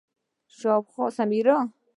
شاوخوا زر تنه کارګران باید مسکو ته تللي وای